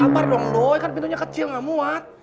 doi sabar dong doi kan pintunya kecil gak muat